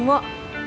aku mau nganter kamu